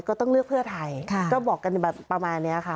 ก็ต้องเลือกเพื่อไทยก็บอกกันแบบประมาณนี้ค่ะ